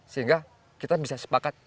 sehingga kita bisa sepakat